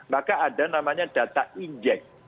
maka ada namanya data injek